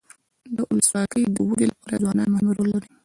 د ولسواکۍ د ودي لپاره ځوانان مهم رول لري.